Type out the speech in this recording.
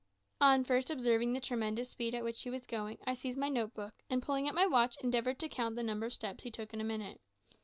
On first observing the tremendous speed at which he was going, I seized my note book, and pulling out my watch, endeavoured to count the number of steps he took in a minute.